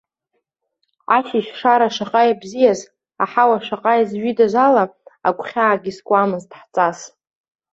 Ашьыжь шара шаҟа ибзиаз, аҳауа шаҟа изҩыдаз ала, агәхьаагьы скуамызт ҳҵас.